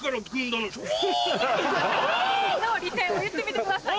青のりの利点を言ってみてください。